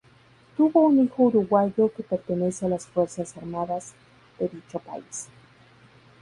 Tuvo un hijo uruguayo que pertenece a las Fuerzas Armadas de dicho país.